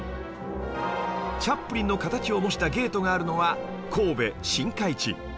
チャップリンの形を模したゲートがあるのは神戸新開地